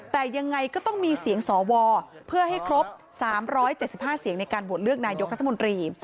แต่ยังไงก็ต้องมีเสียงสวเพื่อให้ครบ๓๗๕เสียงในการโหวตเลือกนายกรัฐมนตรี